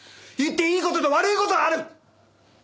言っていい事と悪い事がある！